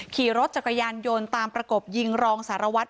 ขี่รถจักรยานยนต์ตามประกบยิงรองสารวัตร